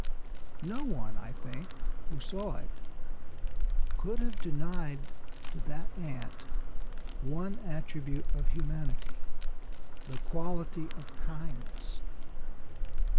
No one, I think, who saw it could have denied to that ant one attribute of humanity, the quality of kindness.